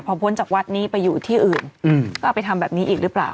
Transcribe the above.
พอพ้นจากวัดนี้ไปอยู่ที่อื่นก็เอาไปทำแบบนี้อีกหรือเปล่า